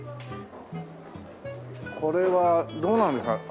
これはどうなんですか？